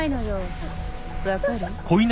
分かる？